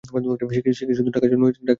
সে কি শুধু টাকার জন্য ডাক্তারি শিখিয়াছে?